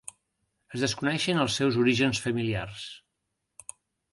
Es desconeixen els seus orígens familiars.